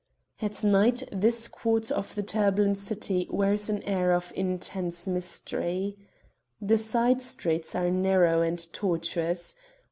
At night this quarter of the turbulent city wears an air of intense mystery. The side streets are narrow and tortuous.